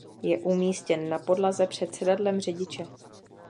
Je umístěn na podlaze před sedadlem řidiče.